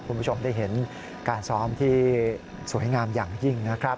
คุณผู้ชมได้เห็นการซ้อมที่สวยงามอย่างยิ่งนะครับ